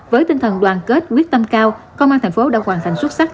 với tinh thần đoàn kết quyết tâm cao công an tp cn đã hoàn thành xuất sắc